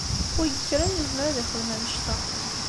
Wi ikkren izmer ad yexdem annect-a.